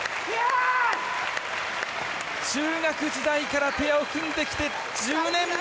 中学時代からペアを組んできて１０年目。